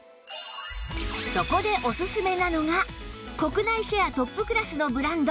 そこでおすすめなのが国内シェアトップクラスのブランド